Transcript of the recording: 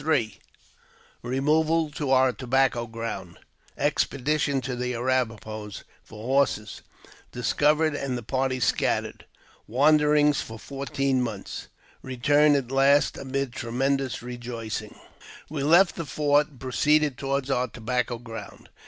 Hemoval to our Tobacco ground — Expedition to the Arrap a hos for Horses — Discovered, and the Party scattered — Wanderings for fourteen Months — Eeturn at last amid tremendous Eejoicing. WE left the fort, and proceeded toward our tobacco ground.